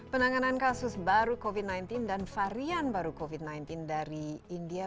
penanganan kasus baru covid sembilan belas dan varian baru covid sembilan belas dari india